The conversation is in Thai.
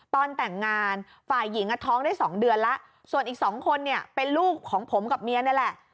ตอนแต่งงานฝ่ายหญิงท้องได้๒เดือนแล้วส่วนอีกสองคนเนี่ยเป็นลูกของผมกับเมียนี่แหละ